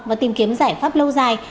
và tìm kiếm giải pháp lâu dài